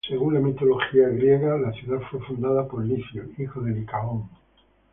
Según la mitología griega, la ciudad fue fundada por Licio, hijo de Licaón.